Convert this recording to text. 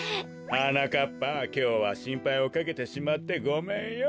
はなかっぱきょうはしんぱいをかけてしまってごめんよ。